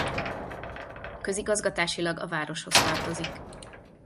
Közigazgatásilag a városhoz tartozik.